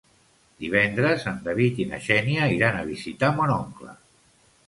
Divendres en David i na Xènia iran a visitar mon oncle.